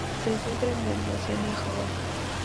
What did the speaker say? Se encuentra en Oceanía: Hawaii.